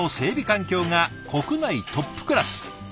環境が国内トップクラス。